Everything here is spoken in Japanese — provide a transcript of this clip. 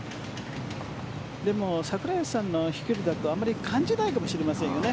でも櫻井さんの飛距離だとあまり感じないかもしれないですよね。